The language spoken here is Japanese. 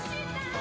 あ！